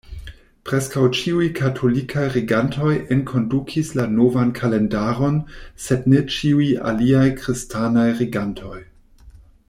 Preskaŭ ĉiuj katolikaj regantoj enkondukis la novan kalendaron, sed ne ĉiuj aliaj kristanaj regantoj.